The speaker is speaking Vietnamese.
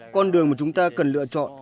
con đường mà chúng ta cần lựa chọn